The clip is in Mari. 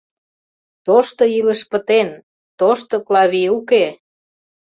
Тошто илыш пытен, тошто Клавий уке!..